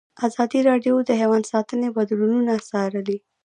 ازادي راډیو د حیوان ساتنه بدلونونه څارلي.